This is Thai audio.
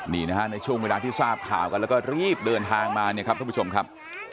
นี่นะครับในช่วงเวลาที่สาบข่าวก็แล้วก็รีบเดินทางมานะครับผู้ชมครับ